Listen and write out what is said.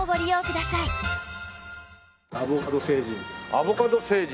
アボカド星人。